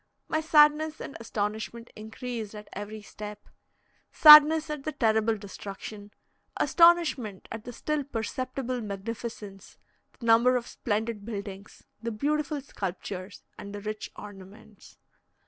My sadness and astonishment increased at every step sadness at the terrible destruction, astonishment at the still perceptible magnificence, the number of splendid buildings, the beautiful sculptures, and the rich ornaments.